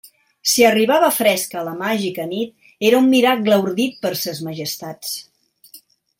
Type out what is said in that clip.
Si arribava fresca a la màgica nit, era un miracle ordit per Ses Majestats.